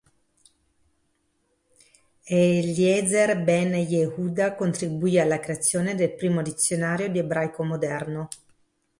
Eliezer Ben Yehuda contribuì alla creazione del primo dizionario di ebraico moderno.